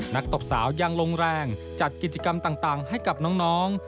ตบสาวยังลงแรงจัดกิจกรรมต่างให้กับน้อง